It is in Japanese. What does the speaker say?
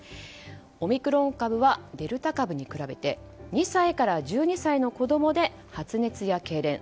オミクロン株はデルタ株に比べて２歳から１２歳の子供で発熱やけいれん。